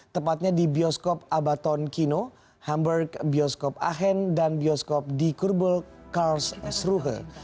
tepatnya di bioskop abaton kino hamburg bioskop aachen dan bioskop di kurbel karlsruhe